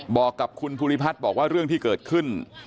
บอกกับคุณภูริพัฒน์บอกว่าเรื่องที่เกิดขึ้น